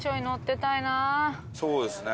そうですね。